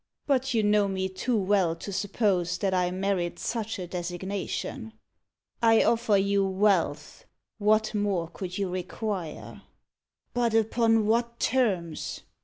"But you know me too well to suppose that I merit such a designation. I offer you wealth. What more could you require?" "But upon what terms?"